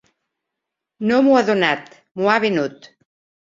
No m'ho ha donat, m'ho ha venut.